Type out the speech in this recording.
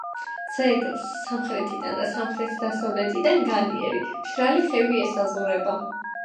ძეგლს სამხრეთიდან და სამხრეთ-დასავლეთიდან განიერი, მშრალი ხევი ესაზღვრება.